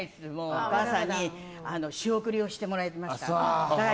お母さんに仕送りをしてもらいました。